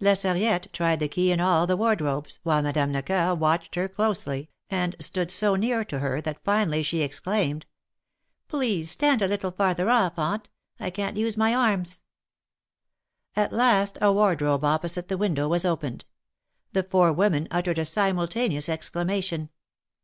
La Sarriette tried the key in all the wardrobes, while Madame Lecoeur watched her closely, and stood so near to her that finally she exclaimed :" Please stand a little farther off. Aunt ; I can't use my arms." At last a wardrobe opposite the window was opened. The four women uttered a simultaneous exclamation.